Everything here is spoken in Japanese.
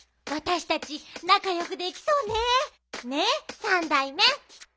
「わたしたちなかよくできそうねねえ三代目」。